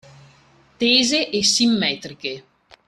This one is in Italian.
Tese e simmetriche